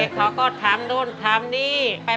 เขาก็ทำนู่นทำนี่